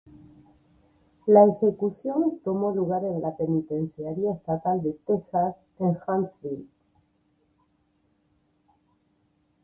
La ejecución tomó lugar en la Penitenciaria Estatal de Texas en Huntsville.